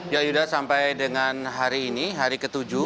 ya yuda sampai dengan hari ini hari ke tujuh